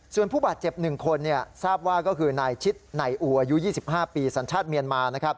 ส่วนผู้บาดเจ็บ๑คนทราบว่าก็คือนายชิดในอูอายุ๒๕ปีสัญชาติเมียนมานะครับ